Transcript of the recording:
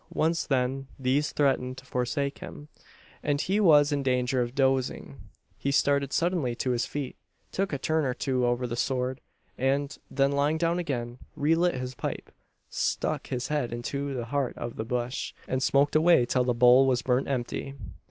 Once when these threatened to forsake him, and he was in danger of dozing, he started suddenly to his feet; took a turn or two over the sward; and, then lying down again, re lit his pipe; stuck his head into the heart of the bush; and smoked away till the bowl was burnt empty.